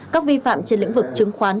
các vi phạm trên lĩnh vực chứng khoán